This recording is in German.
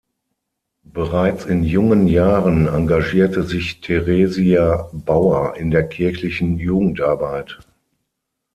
Bereits in jungen Jahren engagierte sich Theresia Bauer in der kirchlichen Jugendarbeit.